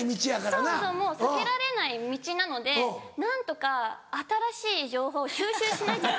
そうですもう避けられない道なので何とか新しい情報を収集しなきゃいけないのに。